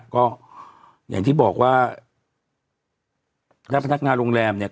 ก็อย่างที่บอกว่าและพนักงานโรงแรมเนี่ย